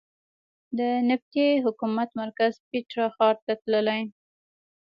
د نبطي حکومت مرکز پېټرا ښار ته تللې.